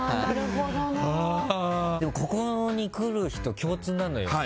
ここに来る人共通なのよ。